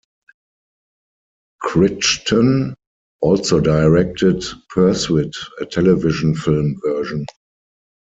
Crichton also directed "Pursuit", a television film version.